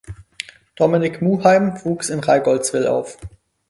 Dominik Muheim wuchs in Reigoldswil auf.